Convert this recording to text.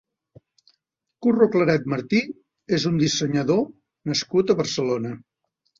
Curro Claret Martí és un dissenyador nascut a Barcelona.